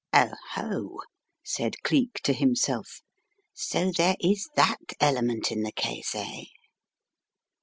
"Oho!" said Cleek to himself. "So there is that element in the case, eh?"